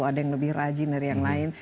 ada yang lebih rajin dari yang lain